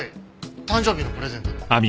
誕生日のプレゼントで。